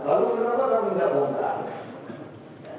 lalu kenapa kami tak bongkar